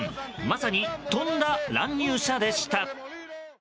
まさに、とんだ乱入者でした。